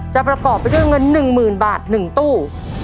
ประกอบไปด้วยเงิน๑๐๐๐บาท๑ตู้